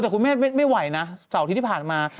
แต่คุณแม่ไม่ไหวนะเสาร์อาทิตย์ที่ผ่านมา